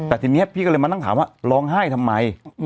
แต่ทีนี้พี่ก็เลยมานั่งถามว่าร้องไห้ทำไม